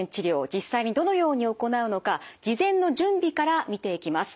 実際にどのように行うのか事前の準備から見ていきます。